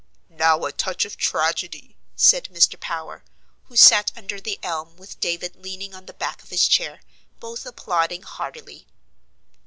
"Now a touch of tragedy!" said Mr. Power, who sat under the elm, with David leaning on the back of his chair, both applauding heartily.